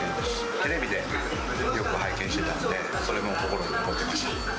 テレビでよく拝見してたので、それも心に残ってました。